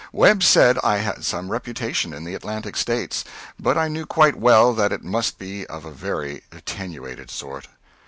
Webb said I had some reputation in the Atlantic States, but I knew quite well that it must be of a very attenuated sort.